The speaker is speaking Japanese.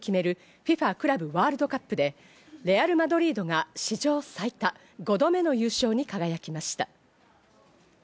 ＦＩＦＡクラブワールドカップで、レアル・マドリードが史上最多、５度目の優勝に輝きました。